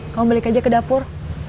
kamu balik aja ke dapur